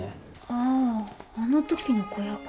あああのときの子役の。